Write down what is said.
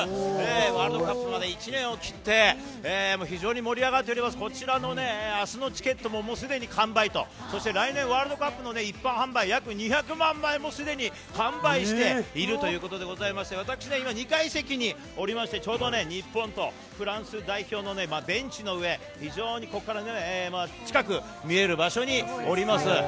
ワールドカップまで１年を切って、非常に盛り上がっております、こちらのあすのチケットもすでに完売と、そして来年ワールドカップの一般販売、約２００万枚もすでに完売しているということでございまして、私は今、２階席におりまして、日本とフランス代表のね、ベンチの上、非常にここから近く見える場所におります。